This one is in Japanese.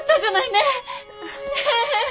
ねえ！